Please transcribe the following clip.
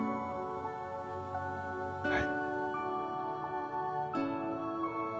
はい。